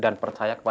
dan percaya ke allah